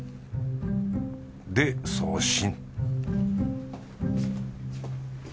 で送信